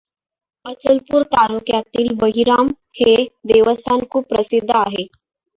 अचलपूर तालुक्यातील बहिरम हे देवस्थान खूप प्रसिद्ध आहे.